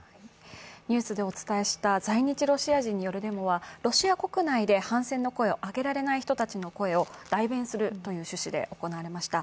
ニュースでお伝えした在日ロシア人によるデモは、ロシア国内で反戦の声を上げられない人たちの声を代弁するという趣旨で行われました。